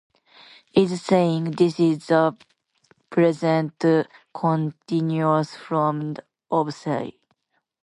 "is saying" - This is the Present Continuous form of "say."